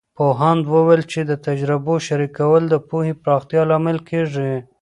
پوهاند وویل چې د تجربو شریکول د پوهې پراختیا لامل کیږي.